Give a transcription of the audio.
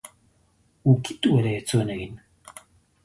Ukitu ere ez zuen egin!